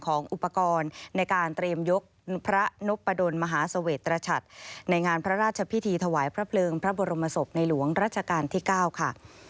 ของอุปกรณ์ในการเตรียมยกพระนพดลมหาเสวตรชัดในงานพระราชพิธีถวายพระเพลิงพระบรมศพในหลวงรัชกาลที่๙ค่ะ